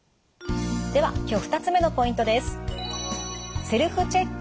では今日２つ目のポイントです。